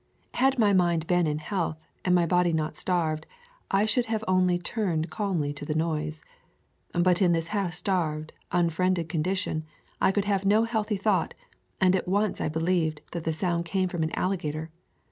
Had my mind been in health, and my body not starved, I should only have turned calmly to the noise. But in this half starved, unfriended condition I could have no healthy thought, and I at once believed that the sound came from an alligator.